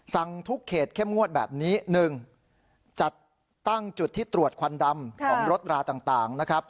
สั่งทุกเขตเข้มงวดแบบนี้๑จัดตั้งจุดที่ตรวจควันดำของรถราต่างนะครับ